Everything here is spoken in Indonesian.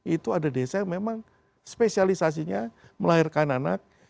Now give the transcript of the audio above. itu ada desa yang memang spesialisasinya melahirkan anak